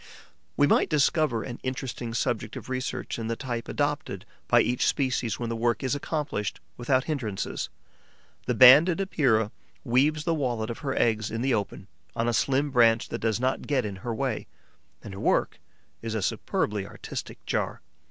We might discover an interesting subject of research in the type adopted by each species when the work is accomplished without hindrances. The Banded Epeira weaves the wallet of her eggs in the open, on a slim branch that does not get in her way; and her work is a superbly artistic jar.